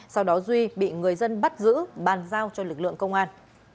sau đó duy bị người dân bắt giữ bàn giao cho lực lượng công an